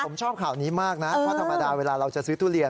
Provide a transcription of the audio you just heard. ผมชอบข่าวนี้มากนะเพราะธรรมดาเวลาเราจะซื้อทุเรียน